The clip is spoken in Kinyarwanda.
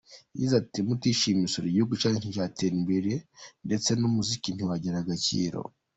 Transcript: Yagize ati”Mutishyuye imisoro, igihugu cyanyu nticyatera imbere ndetse n’umuziki ntiwagira agaciro.